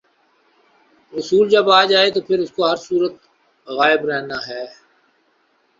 رسول جب آ جائے تو پھر اس کو ہر صورت غالب رہنا ہے۔